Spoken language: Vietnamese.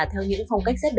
theo những phong cách rất đẹp